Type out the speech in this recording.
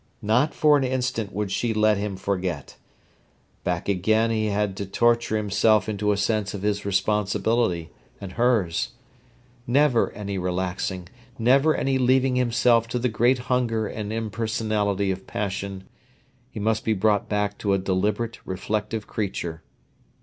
Not for an instant would she let him forget. Back again he had to torture himself into a sense of his responsibility and hers. Never any relaxing, never any leaving himself to the great hunger and impersonality of passion; he must be brought back to a deliberate, reflective creature.